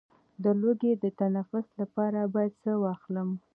د لوګي د تنفس لپاره باید څه واخلم؟